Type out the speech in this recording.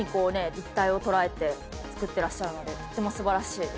立体を捉えて作ってらっしゃるのでとても素晴らしい。